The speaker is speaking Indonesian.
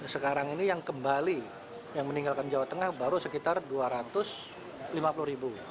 sekarang ini yang kembali yang meninggalkan jawa tengah baru sekitar dua ratus lima puluh ribu